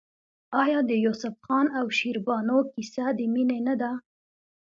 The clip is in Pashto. آیا د یوسف خان او شیربانو کیسه د مینې نه ده؟